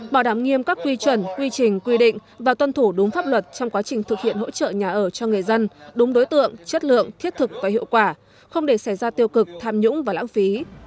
bảo đảm nghiêm các quy chuẩn quy trình quy định và tuân thủ đúng pháp luật trong quá trình thực hiện hỗ trợ nhà ở cho người dân đúng đối tượng chất lượng thiết thực và hiệu quả không để xảy ra tiêu cực tham nhũng và lãng phí